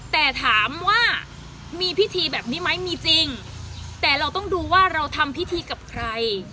แต่ถามว่ามีพิธีแบบนี้ไหมมีจริงแต่เราต้องดูว่าเราทำพิธีกับใคร